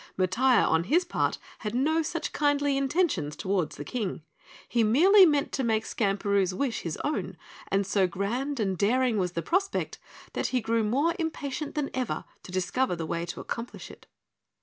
Matiah, on his part, had no such kindly intentions toward the King. He merely meant to make Skamperoo's wish his own, and so grand and daring was the prospect that he grew more impatient than ever to discover the way to accomplish it.